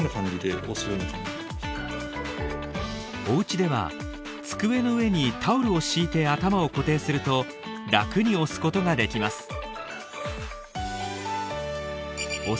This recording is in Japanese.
お家では机の上にタオルを敷いて頭を固定するとラクに押すことができます。